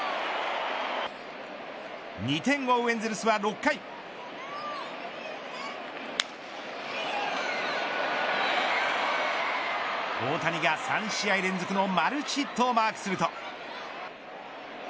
２点を追うエンゼルスは６回大谷が３試合連続のマルチヒットをマークすると。